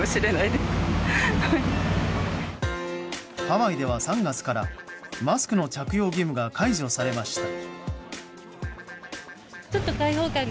ハワイでは３月からマスクの着用義務が解除されました。